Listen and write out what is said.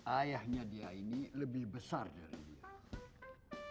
ayahnya dia ini lebih besar dari dia